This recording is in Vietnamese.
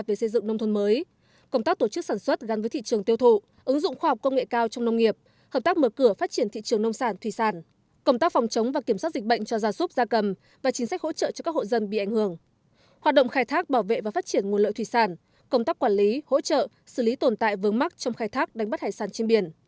quốc hội sẽ tiến hành chất vấn nhóm vấn đề thứ hai thuộc lĩnh vực công thương liên quan đến công tác quản lý hỗ trợ xử lý tồn tại vướng mắc trong khai thác đánh bắt hải sản trên biển